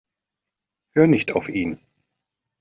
Hör nicht auf ihn.